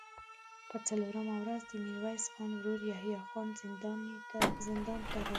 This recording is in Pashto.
په څلورمه ورځ د ميرويس خان ورو يحيی خان زندان ته راغی.